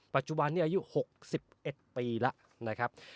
ปัจจุบันนี้อายุ๖๑ปีแล้วนะครับ